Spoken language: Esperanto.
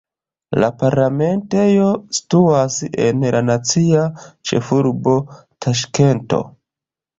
La parlamentejo situas en la nacia ĉefurbo Taŝkento.